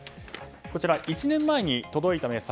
こちら、１年前に届いた明細。